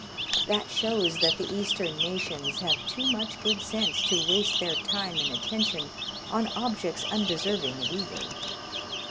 "That shows that the Eastern nations have too much good sense to waste their time and attention on objects undeserving of either.